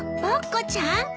ぼっこちゃん？